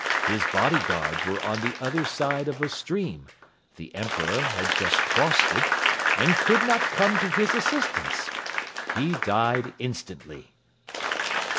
His bodyguard were on the other side of a stream the Emperor had just crossed it and could not come to his assistance. He died instantly."